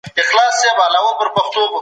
د تخنيک پرمختيا خورا اړينه ده.